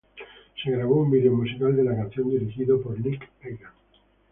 Se grabó un video musical de la canción, dirigido por Nick Egan.